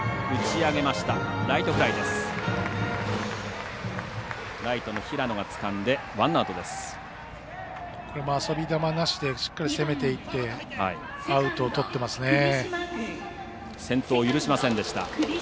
遊び球なしでしっかり攻めていって先頭を許しませんでした。